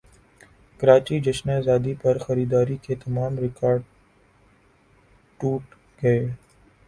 کراچی جشن زادی پرخریداری کے تمام ریکارڈٹوٹ گئے